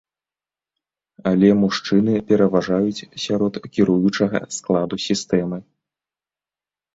Але мужчыны пераважаюць сярод кіруючага складу сістэмы.